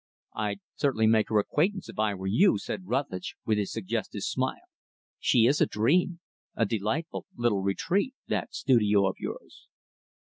"I'd certainly make her acquaintance, if I were you," said Rutlidge, with his suggestive smile. "She is a dream. A delightful little retreat that studio of yours."